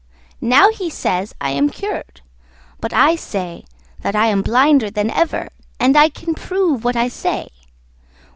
Now, he says I am cured; but I say that I am blinder than ever, and I can prove what I say.